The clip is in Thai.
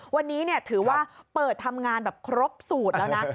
วันนี้ถือว่าเปิดทำงานแบบครบสูตรแล้วนะ